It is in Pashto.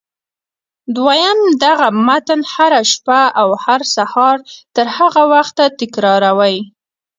دويم دغه متن هره شپه او هر سهار تر هغه وخته تکراروئ.